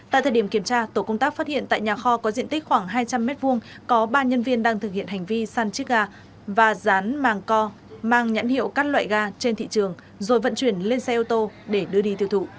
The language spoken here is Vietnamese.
tại thời điểm kiểm tra tổ công tác phát hiện tại nhà kho có diện tích khoảng hai trăm linh m hai có ba nhân viên đang thực hiện hành vi săn chiếc gà và rán màng co mang nhãn hiệu các loại gà trên thị trường rồi vận chuyển lên xe ô tô để đưa đi tiêu thụ